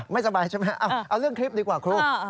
ไม่สบายใช่ไหมเอาเรื่องคลิปดีกว่าครู